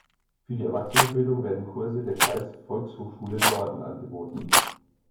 Für die Erwachsenenbildung werden Kurse der Kreisvolkshochschule Norden angeboten.